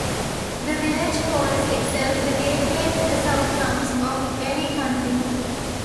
The village calls itself the "Gateway to the Southtowns" of Erie County.